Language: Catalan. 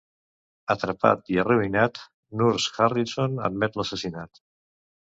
Atrapat i arruïnat, Nurse Harrison admet l'assassinat.